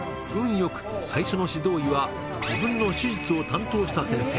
良く最初の指導医は自分の手術を担当した先生